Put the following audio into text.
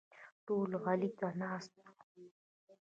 ټول غلي ناست وو.